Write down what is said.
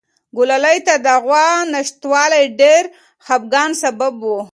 ګلالۍ ته د غوا نشتوالی ډېر د خپګان سبب و.